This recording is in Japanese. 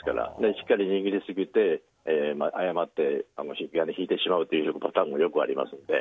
しっかり握りすぎて誤って引き金を引いてしまうというパターンもよくありますので。